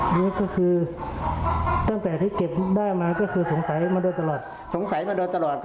อ๋อนี่ก็คือตั้งแต่ที่เก็บได้มาก็คือสงสัยมาโดยตลอด